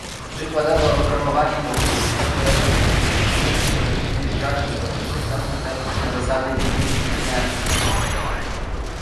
Przykładowo promowanie polityk wspierających liczniejsze rodziny w żaden sposób nie stanowi naruszenia zasady niedyskryminacji